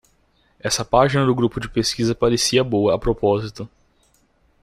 Essa página do grupo de pesquisa parecia boa, a propósito.